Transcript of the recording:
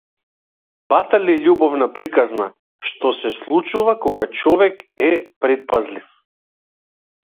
Батали љубовна приказна што се случува кога човек е претпазлив.